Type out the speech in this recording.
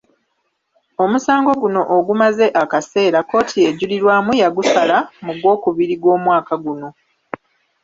Omusango guno ogumaze akaseera kkooti ejulirwamu yagusala mu gwokubiri gw’omwaka guno.